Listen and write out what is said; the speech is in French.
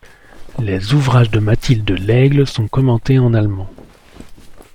Les ouvrages de Mathilde Laigle sont commentés en allemand.